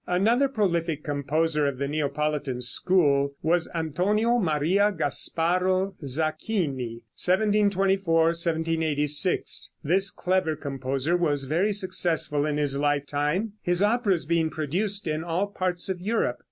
Another prolific composer of the Neapolitan school was Antonio Maria Gasparo Sacchini (1724 1786). This clever composer was very successful in his lifetime, his operas being produced in all parts of Europe.